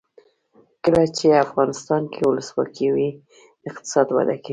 کله چې افغانستان کې ولسواکي وي اقتصاد وده کوي.